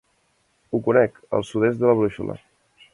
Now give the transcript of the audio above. Ho conec, al sud-est de la brúixola.